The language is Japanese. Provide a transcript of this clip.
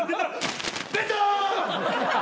出た！